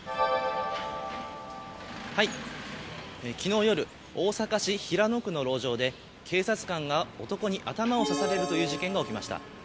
昨日夜、大阪市平野区の路上で警察官が男に頭を刺されるという事件が起こりました。